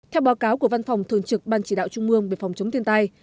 theo báo cáo của văn phòng thường trực ban chỉ đạo trung mương về phòng chống thiên tai